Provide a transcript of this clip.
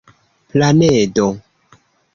planedo